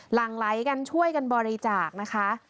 หลังไหลกันช่วยกันบริจาคนะคะ